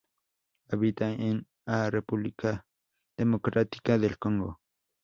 Habita en a República Democrática del Congo.